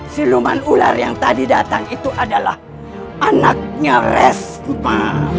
siluman ular yang tadi datang itu adalah anaknya resma